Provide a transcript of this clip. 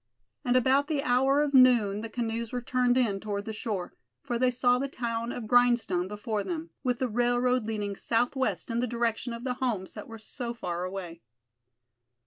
And about the hour of noon the canoes were turned in toward the shore, for they saw the town of Grindstone before them, with the railroad leading southwest in the direction of the homes that were so far away.